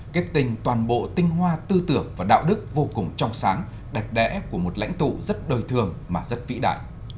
kết tình toàn bộ tinh hoa tư tưởng và đạo đức vô cùng trong sáng đẹp đẽ của một lãnh tụ rất đời thường mà rất vĩ đại